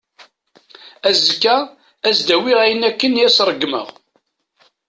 Azekka, ad as-d-awiɣ ayen akken i as-ṛeggmeɣ.